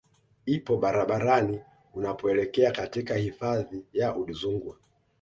ipo barabarani unapoelekea katika hifadhi ya Udzungwa